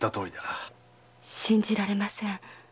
信じられません。